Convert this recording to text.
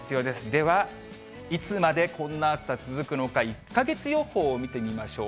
では、いつまでこんな暑さ続くのか、１か月予報を見てみましょう。